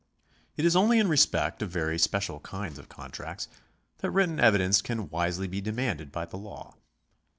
It is only in respect of very special kinds of contracts that written evidence can wisely be demanded by the law.